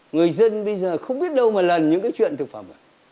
người dân bây giờ không biết đâu mà lần những cái chuyện thực phẩm